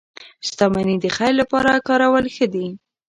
• شتمني د خیر لپاره کارول ښه دي.